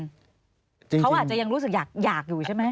เขาอาจจะยังรู้สึกอยากอยู่ใช่ไหม